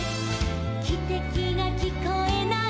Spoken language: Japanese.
「きてきがきこえない」